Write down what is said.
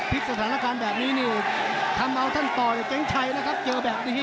พลิกสถานการณ์แบบนี้นี่ทำเอาท่านต่ออยู่เกงไชนะครับเจอแบบนี้